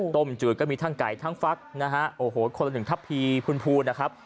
จืดก็มีทั้งไก่ทั้งฟักนะฮะโอ้โหคนละหนึ่งทัพพีพูนพูนะครับ